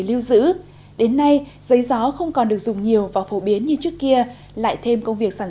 lưu giữ đến nay giấy gió không còn được dùng nhiều và phổ biến như trước kia lại thêm công việc sản